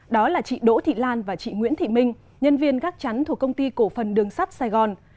đó là chị đỗ thị lan và chị nguyễn thị minh nhân viên gác chắn thuộc công ty cổ phần đường sắt sài gòn